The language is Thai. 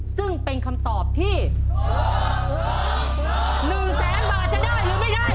ซึ่งเป็นคำตอบที่๑แสนบาทจะได้หรือไม่ได้